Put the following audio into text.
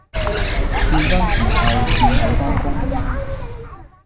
戰爭時候便去當軍醫，